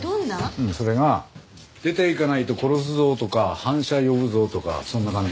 うんそれが「出て行かないと殺すぞ」とか「反社呼ぶぞ」とかそんな感じ。